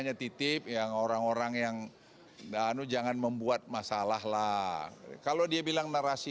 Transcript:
hanya titip yang orang orang yang danu jangan membuat masalah lah kalau dia bilang narasi